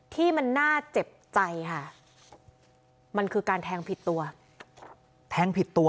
ที่มันหน้าเจ็บใจค่ะมันคือการแทงผิดตัว